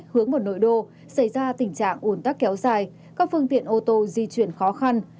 hướng vào nội đô xảy ra tình trạng ủn tắc kéo dài các phương tiện ô tô di chuyển khó khăn